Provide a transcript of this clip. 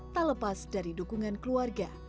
tak lepas dari dukungan keluarga